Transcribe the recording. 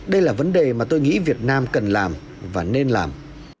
đây là vấn đề mà tôi nghĩ việt nam cần làm và nên làm